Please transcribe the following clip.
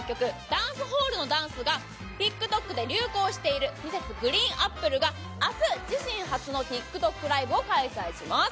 「ダンスホールのダンス」がＴｉｋＴｏｋで流行しているＭｒｓ．ＧＲＥＥＮＡＰＰＬＥが明日自身初のＴｉｋＴｏｋライブを開催します。